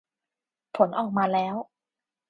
ผลออกมาแล้ว